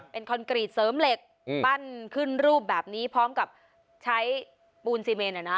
เป็นคอนกรีตเสริมเหล็กปั้นขึ้นรูปแบบนี้พร้อมกับใช้ปูนซีเมน